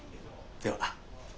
では。